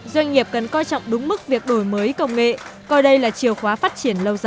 doanh nghiệp cần coi trọng đúng mức việc đổi mới công nghệ coi đây là chiều khóa phát triển lâu dài